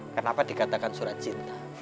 kenapa dikatakan surat cinta